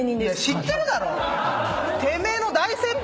知ってるだろ！